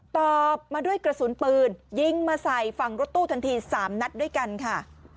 ตอบมาด้วยกระสุนปืนยิงมาใส่ฝั่งรถตู้ทันที๓นัดด้วยกันค่ะ